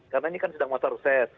karena ini kan sedang masa reses